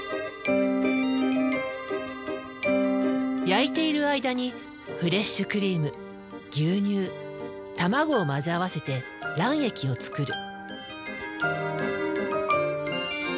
焼いている間にフレッシュクリーム牛乳たまごを混ぜ合わせて卵液を作る。